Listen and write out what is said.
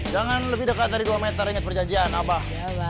jangan lebih dekat dari dua meter ingat perjanjian abah